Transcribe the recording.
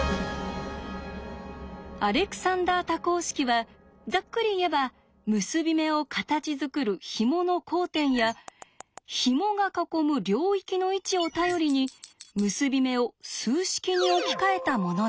アレクサンダー多項式はざっくり言えば結び目を形づくるひもの交点やひもが囲む領域の位置を頼りに結び目を数式に置き換えたものです。